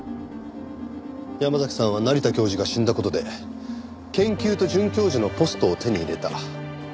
山嵜さんは成田教授が死んだ事で研究と准教授のポストを手に入れた。